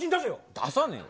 出さねえよ。